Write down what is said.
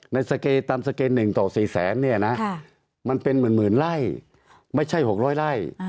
สเกตามสเกณฑ์๑ต่อ๔แสนเนี่ยนะมันเป็นหมื่นไร่ไม่ใช่๖๐๐ไร่